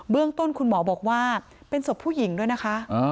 ต้นคุณหมอบอกว่าเป็นศพผู้หญิงด้วยนะคะ